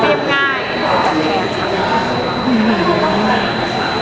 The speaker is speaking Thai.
เตรียมง่ายสุดท้าย